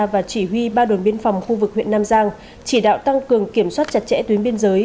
và chỉ huy ba đồn biên phòng khu vực huyện nam giang chỉ đạo tăng cường kiểm soát chặt chẽ tuyến biên giới